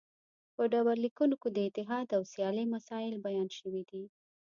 په ډبرلیکونو کې د اتحاد او سیالۍ مسایل بیان شوي دي